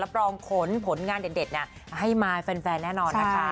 รองขนผลงานเด็ดให้มายแฟนแน่นอนนะคะ